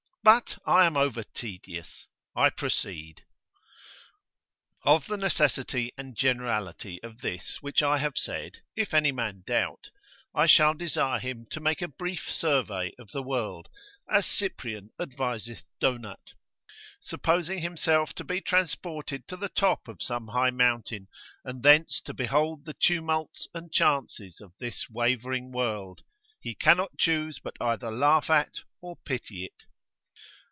But I am over tedious, I proceed. Of the necessity and generality of this which I have said, if any man doubt, I shall desire him to make a brief survey of the world, as Cyprian adviseth Donat, supposing himself to be transported to the top of some high mountain, and thence to behold the tumults and chances of this wavering world, he cannot choose but either laugh at, or pity it.